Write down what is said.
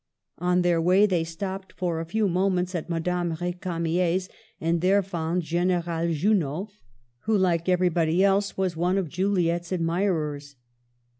On their way they stopped for a few moments at Madame R£camier's, and there found General Junot, who, like everybody else, was one of Juli ette's admirers.